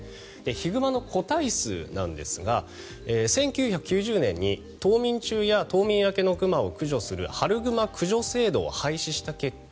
ヒグマの個体数なんですが１９９０年に冬眠中や冬眠明けの熊を駆除する春グマ駆除制度を廃止した結果